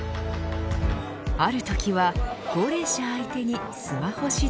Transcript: あるときは高齢者相手にスマホ指導。